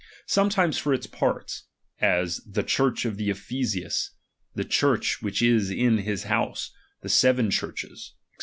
Sometimes for its parts ; as the Church ^H of Ephesus, the Church which is in his house, the ^H seven Churches, &c.